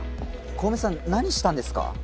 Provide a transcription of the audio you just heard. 小梅さん何したんですか？